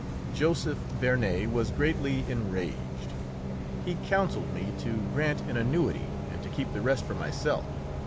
Joseph Vernet was greatly enraged; he counselled me to grant an annuity and to keep the rest for myself.